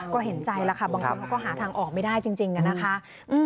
ก็เห็นใจแล้วค่ะบางคนเขาก็หาทางออกไม่ได้จริงอะนะคะ